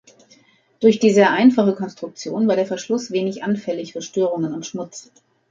Durch die sehr einfache Konstruktion war der Verschluss wenig anfällig für Störungen und Schmutz.